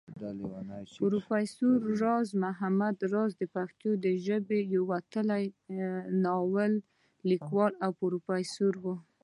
پروفېسر راز محمد راز د پښتو ژبې يو وتلی ناول ليکوال او فيلسوف وو